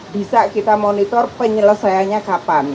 bisa kita monitor penyelesaiannya kapan